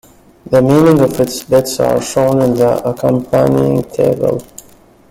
The meaning of its bits are shown in the accompanying table.